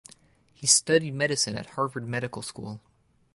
He studied medicine at Harvard Medical School.